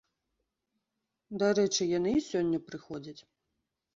Дарэчы, яны і сёння прыходзяць.